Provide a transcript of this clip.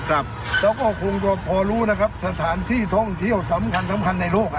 เราก็คงจะพอรู้นะครับสถานที่ท่องเที่ยวสำคัญสำคัญในโลก